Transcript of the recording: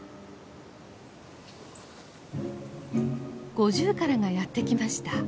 ゴジュウカラがやって来ました。